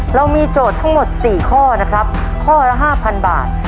เรามีโจทย์ทั้งหมด๔ข้อนะครับข้อละ๕๐๐บาท